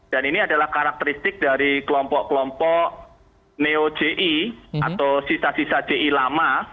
dan ini adalah karakteristik dari kelompok kelompok neo ji atau sisa sisa ji lama